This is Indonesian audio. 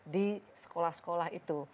di sekolah sekolah itu